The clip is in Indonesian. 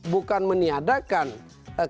bukan meniadakan kebebasan